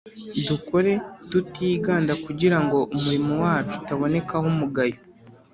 Dukore tutiganda, kugira ngo umurimo wacu utabonekaho umugayo